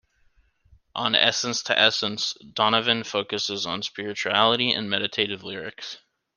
On "Essence to Essence", Donovan focuses on spirituality and meditative lyrics.